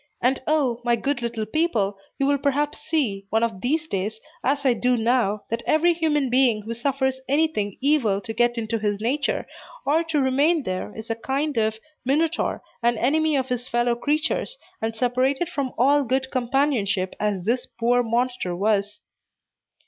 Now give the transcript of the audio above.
And O, my good little people, you will perhaps see, one of these days, as I do now, that every human being who suffers any thing evil to get into his nature, or to remain there, is a kind of Minotaur, an enemy of his fellow creatures, and separated from all good companionship, as this poor monster was.